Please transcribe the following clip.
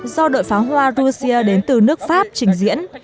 do đội pháo hoa russia đến từ nước pháp trình diễn